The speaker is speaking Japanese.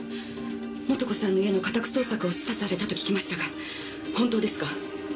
素子さんの家の家宅捜索を示唆されたと聞きましたが本当ですか？